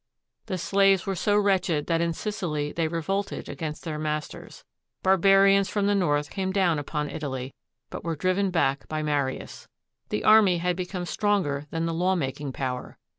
The slaves were so wretched that in Sicily they revolted against their masters. Barbarians from the north came down upon Italy, but were driven back by Marius. The army had become stronger than the lawmaking power.